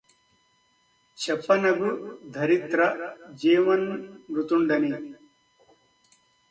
చెప్పనగు ధరిత్ర జీవన్మృతుం డని